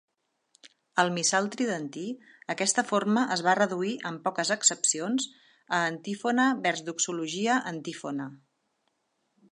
Al Missal tridentí, aquesta forma es va reduir, amb poques excepcions, a antífona-vers-doxologia-antífona.